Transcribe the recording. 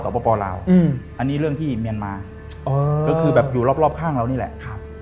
ประปลาวอันนี้เรื่องที่เมียนมาก็คือแบบอยู่รอบข้างเรานี่แหละ